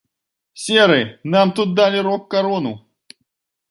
Серы, нам тут далі рок-карону!